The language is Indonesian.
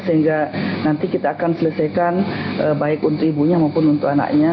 sehingga nanti kita akan selesaikan baik untuk ibunya maupun untuk anaknya